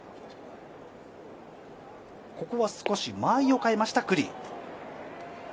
ここは間合いを変えました九里。